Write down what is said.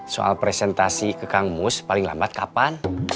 soal presentasi ke kang mus paling lambat kapan